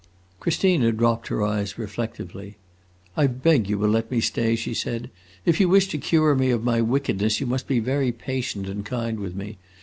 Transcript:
Christina dropped her eyes, reflectively. "I beg you will let me stay," she said. "If you wish to cure me of my wickedness you must be very patient and kind with me.